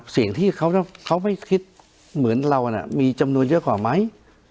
สิ่งที่เขาไม่คิดเหมือนเรามีจำนวนเยอะกว่าไหม